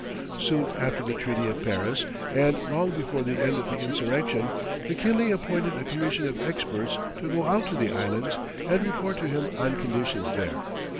Soon after the Treaty of Paris, and long before the end of the insurrection, McKinley appointed a commission of experts to go out to the Islands and report to him on conditions there.